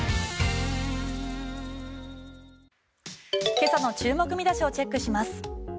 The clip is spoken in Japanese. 今朝の注目見出しをチェックします。